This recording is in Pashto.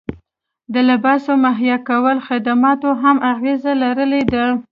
د لباس مهیا کولو خدماتو هم اغیزه لرلې ده